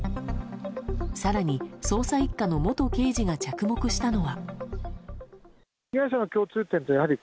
更に、捜査１課の元刑事が着目したのは。